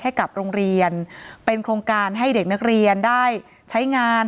ให้กับโรงเรียนเป็นโครงการให้เด็กนักเรียนได้ใช้งาน